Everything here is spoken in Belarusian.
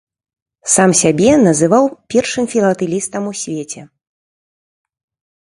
Сам сябе называў першым філатэлістам ў свеце.